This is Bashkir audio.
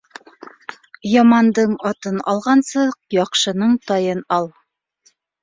Ямандың атын алғансы, яҡшының тайын ал.